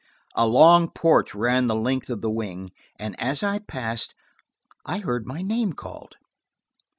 A long porch ran the length of the wing, and as I passed I heard my name called.